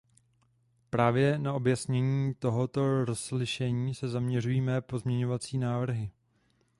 Právě na objasnění tohoto rozlišení se zaměřují mé pozměňovací návrhy.